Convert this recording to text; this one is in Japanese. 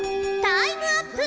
タイムアップ！